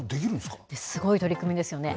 すごい取り組みですよね。